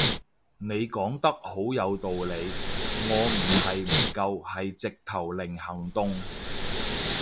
你講得好有道理，我唔係唔夠係直頭零行動